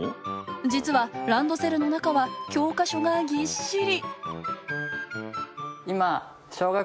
実は、ランドセルの中は教科書がぎっしり！